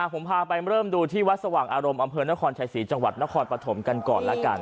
ผมพาไปเริ่มดูที่วัดสว่างอารมณ์อำเภอนครชายศรีจังหวัดนครปฐมกันก่อนแล้วกัน